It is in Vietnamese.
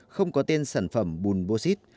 không có tên sản phẩm bùn bô xít